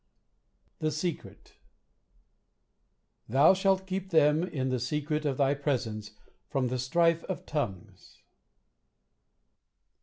THE SECRET "Thou shalt keep them in the secret of thy presence from the strife of tongues."